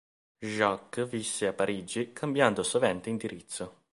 Jacquet visse a Parigi cambiando sovente indirizzo.